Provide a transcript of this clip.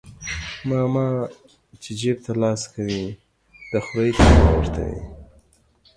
ماما چى جيب ته لاس کوى د خورى طعمه ورته وى.